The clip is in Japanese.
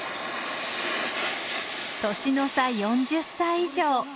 年の差４０歳以上。